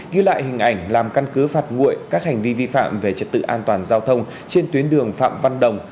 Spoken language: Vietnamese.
ghi lại hình ảnh làm căn cứ phạt nguội các hành vi vi phạm về trật tự an toàn giao thông trên tuyến đường phạm văn đồng